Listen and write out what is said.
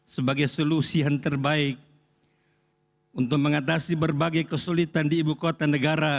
sebagai solusi yang terbaik untuk mengatasi berbagai kesulitan di ibu kota negara